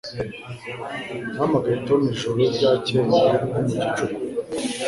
Nahamagaye Tom ijoro ryakeye nko mu gicuku.